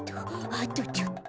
あとちょっと。